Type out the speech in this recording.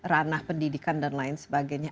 ranah pendidikan dan lain sebagainya